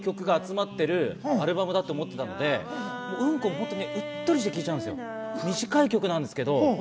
奇跡の曲が集まってるアルバムだと思ってたので『うんこ』もうっとりして、聴いちゃうんですよ。